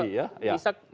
kita masuk ke